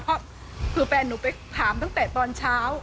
เพราะคือแฟนหนูไปถามตั้งแต่ตอนเช้า